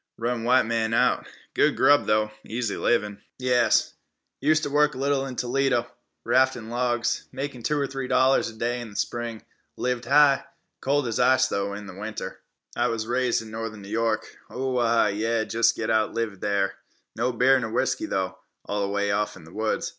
Run white man out. Good grub, though. Easy livin'." "Yas; useter work little in Toledo, raftin' logs. Make two or three dollars er day in the spring. Lived high. Cold as ice, though, in the winter." "I was raised in northern N'York. O a ah, yeh jest oughto live there. No beer ner whisky, though, way off in the woods.